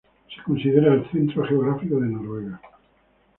Se considera el centro geográfico de Noruega.